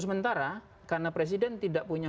sementara karena presiden tidak punya